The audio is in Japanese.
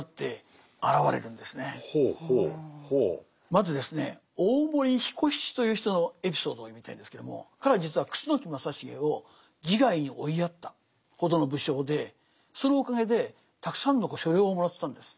まずですね大森彦七という人のエピソードを読みたいんですけども彼は実は楠木正成を自害に追いやったほどの武将でそのおかげでたくさんの所領をもらってたんです。